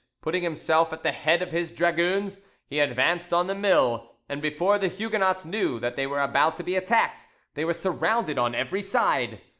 Putting himself at the head of his dragoons, he advanced on the mill, and before the Huguenots knew that they were about to be attacked they were surrounded on every side.